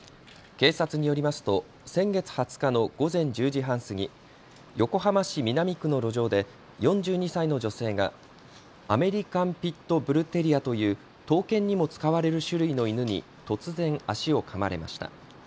警察によりますと先月２０日の午前１０時半過ぎ、横浜市南区の路上で４２歳の女性がアメリカン・ピット・ブル・テリアという闘犬にも使われる種類の犬に突然、足をかまれました。